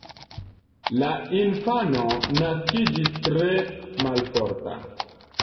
La infano naskiĝis tre malforta.